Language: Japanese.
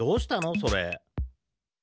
それ。